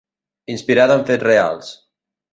Inspirada en fets reals.